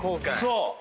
そう！